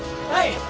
はい！